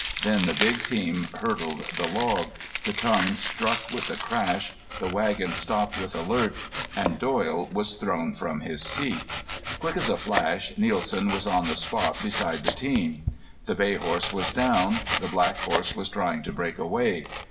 Then the big team hurdled the log, the tongue struck with a crash, the wagon stopped with a lurch, and Doyle was thrown from his seat. Quick as a flash Nielsen was on the spot beside the team. The bay horse was down. The black horse was trying to break away.